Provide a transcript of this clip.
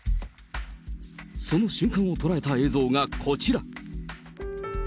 その瞬間を捉えた映像がこちら。